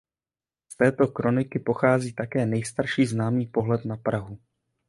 Z této kroniky pochází také nejstarší známý pohled na Prahu.